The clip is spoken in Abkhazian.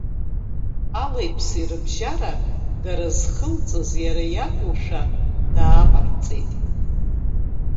Алеи-ԥси рыбжьара, дара зхылҵыз иара иакәушәа дааҟарҵеит.